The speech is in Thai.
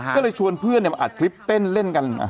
ก็เลยชวนเพื่อนมาอัดคลิปเต้นเล่นกัน